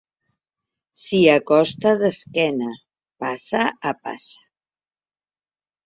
S'hi acosta d'esquena, passa a passa.